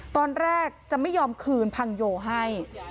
ตอนแรกจะไม่ยอมคืนพังโยให้